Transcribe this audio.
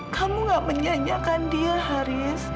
kamu gak menyanyikan dia haris